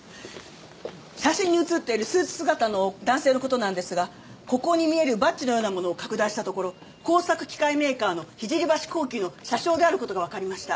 写真に写っているスーツ姿の男性の事なんですがここに見えるバッジのようなものを拡大したところ工作機械メーカーの聖橋工機の社章である事がわかりました。